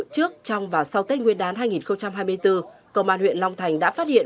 trước trong và sau tết nguyên đán hai nghìn hai mươi bốn công an huyện long thành đã phát hiện